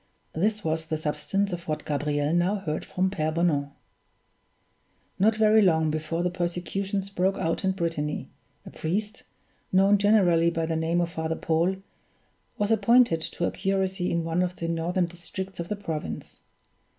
This was the substance of what Gabriel now heard from Pere Bonan: Not very long before the persecutions broke out in Brittany, a priest, known generally by the name of Father Paul, was appointed to a curacy in one of the northern districts of the province.